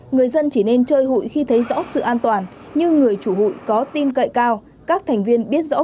người dân chỉ nên chơi hụi khi thấy rõ sự an toàn như người chủ hụi có tin cậy cao các thành viên biết rõ